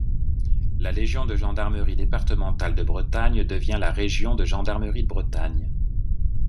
La légion de Gendarmerie départementale de Bretagne devient la région de Gendarmerie de Bretagne.